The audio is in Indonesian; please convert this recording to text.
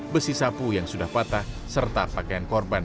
besi sapu yang sudah patah serta pakaian korban